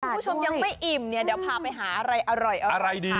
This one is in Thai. คุณผู้ชมยังไม่อิ่มเนี่ยเดี๋ยวพาไปหาอะไรอร่อยดี